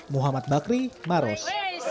muhammad bakri maros